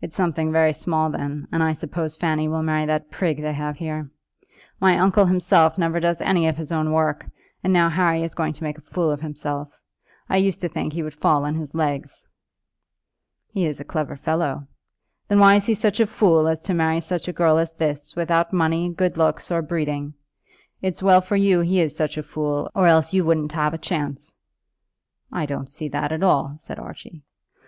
"It's something very small then, and I suppose Fanny will marry that prig they have here. My uncle himself never does any of his own work, and now Harry is going to make a fool of himself. I used to think he would fall on his legs." "He is a clever fellow." "Then why is he such a fool as to marry such a girl as this, without money, good looks, or breeding? It's well for you he is such a fool, or else you wouldn't have a chance." "I don't see that at all," said Archie.